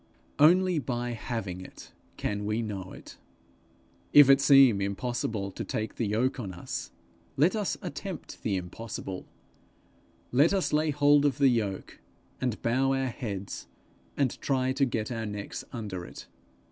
Only by having it can we know it. If it seem impossible to take the yoke on us, let us attempt the impossible; let us lay hold of the yoke, and bow our heads, and try to get our necks under it.